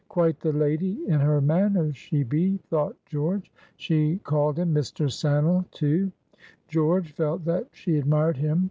"Quite the lady in her manners she be," thought George. She called him "Mr. Sannel," too. George felt that she admired him.